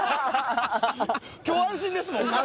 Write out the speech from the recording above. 今日安心ですもん。